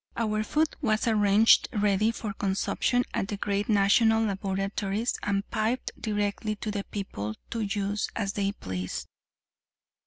Our food was arranged ready for consumption at the great national laboratories and piped directly to the people, to use as they pleased."